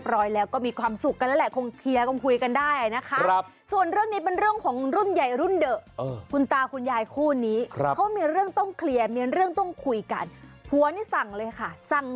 แปลว่าคุณถูกรีดสายเยอะแหละ